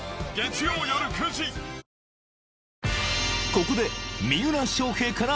［ここで］